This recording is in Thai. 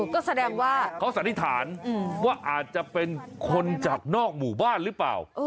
ก็แสดงว่าเขาสันนิษฐานว่าอาจจะเป็นคนจากนอกหมู่บ้านหรือเปล่า